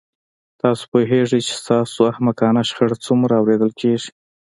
تاسو پوهیږئ چې ستاسو احمقانه شخړه څومره اوریدل کیږي